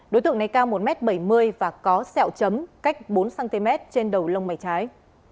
đối tượng này cao một m bảy mươi và có sẹo chấm cách bốn cm trên đầu lông mảy trái